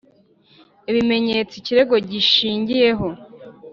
ibimenyetso ikirego gishingiyeho